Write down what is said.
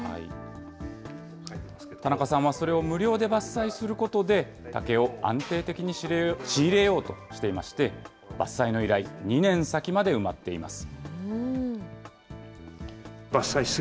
田中さんはそれを無料で伐採することで、竹を安定的に仕入れようとしていまして、伐採の依頼、２年先まで埋まっています。